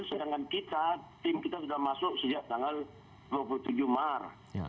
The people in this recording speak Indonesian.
sedangkan kita tim kita sudah masuk sejak tanggal dua puluh tujuh mar